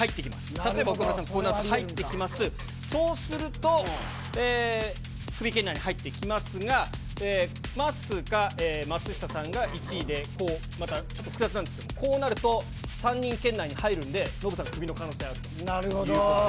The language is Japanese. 例えば、岡村さん、入ってきます、そうすると、クビ圏内に入ってきますが、まっすーか松下さんが１位で、またちょっと複雑なんですけど、こうなると、３人圏内に入るんで、ノブさんクビの可能性があるということで。